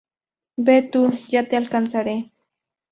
Ve tú. Ya te alcanzaré.